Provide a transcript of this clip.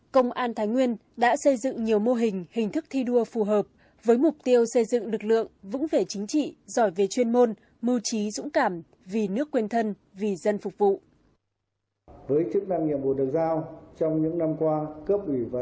công an thái nguyên đã xây dựng nhiều mô hình hình thức thi đua phù hợp với mục tiêu xây dựng lực lượng vững vẻ chính trị giỏi về chuyên môn mưu trí dũng cảm vì nước quen thân vì nước quen thân vì dân phục vụ